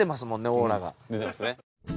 オーラが。出てますね。